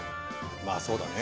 まあそうだね。